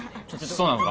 そうなのか？